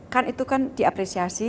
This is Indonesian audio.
kan itu kan diapresiasi